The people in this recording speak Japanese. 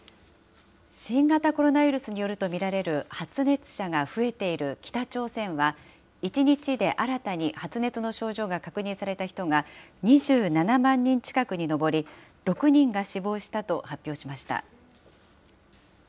新型コロナウイルスによると見られる発熱者が増えている北朝鮮は、１日で新たに発熱の症状が確認された人が２７万人近くに上り、６人が死亡したと発表しました。